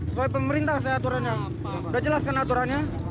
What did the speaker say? sesuai pemerintah saya aturannya udah jelas kan aturannya